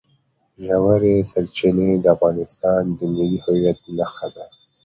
ژورې سرچینې د افغانستان د ملي هویت نښه ده.